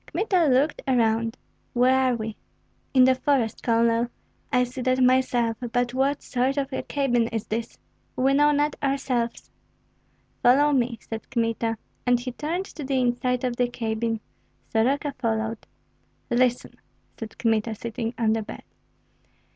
Kmita looked around. "Where are we?" "In the forest, Colonel." "I see that myself. But what sort of a cabin is this?" "We know not ourselves." "Follow me," said Kmita. And he turned to the inside of the cabin. Soroka followed. "Listen," said Kmita, sitting on the bed.